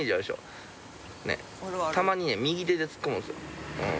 たまにね右手でツッコむんですよ。